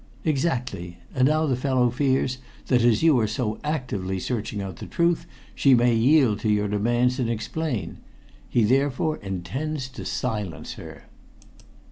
"Exactly. And now the fellow fears that as you are so actively searching out the truth, she may yield to your demands and explain. He therefore intends to silence her."